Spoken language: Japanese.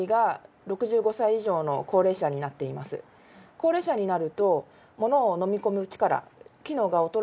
高齢者になると。